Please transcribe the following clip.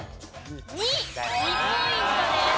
２ポイントです。